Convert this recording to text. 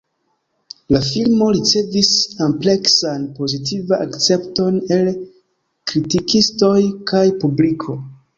La filmo ricevis ampleksan pozitiva akcepton el kritikistoj kaj publiko.